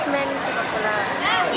main sempet berlari